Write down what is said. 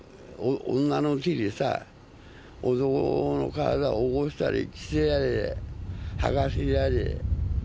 女の手でさ、男の体起こしたり、着せたり、はかせたり。